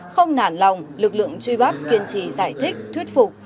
không nản lòng lực lượng truy bắt kiên trì giải thích thuyết phục